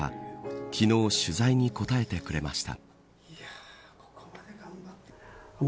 昨日、取材に答えてくれました。